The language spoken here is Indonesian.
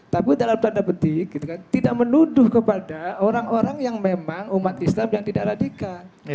tapi dalam tanda petik tidak menuduh kepada orang orang yang memang umat islam yang tidak radikal